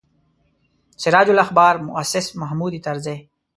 سراج الاخبار موسس محمود طرزي.